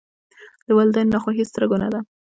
د والداینو ناخوښي ستره ګناه ده.